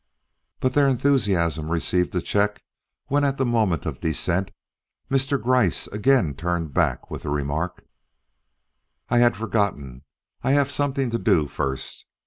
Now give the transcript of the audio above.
But their enthusiasm received a check when at the moment of descent Mr. Gryce again turned back with the remark: "I had forgotten. I have something to do first.